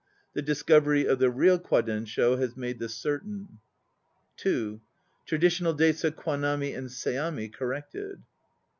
The discovery of the real Kwadensho has made this certain. (2) Traditional dates of Kwanami and Seami corrected.